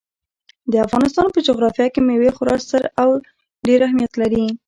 د افغانستان په جغرافیه کې مېوې خورا ستر او ډېر اهمیت لري.